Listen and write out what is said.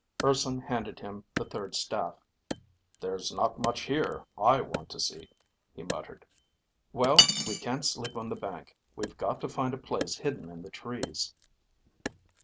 Urson handed him the third staff. "There's not much here I want to see," he muttered. "Well, we can't sleep on the bank. We've got to find a place hidden in the trees."